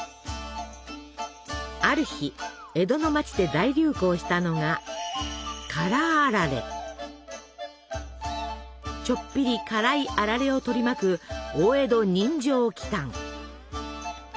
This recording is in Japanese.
ある日江戸の町で大流行したのがちょっぴり辛いあられを取り巻く大江戸人情奇たん。